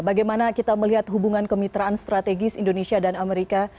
bagaimana kita melihat hubungan kemitraan strategis indonesia dan amerika